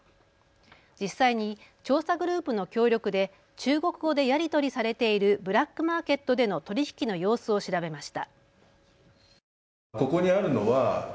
実際に調査グループの協力で中国語でやり取りされているブラックマーケットでの取り引きの様子を調べました。